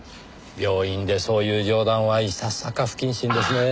病院でそういう冗談はいささか不謹慎ですね。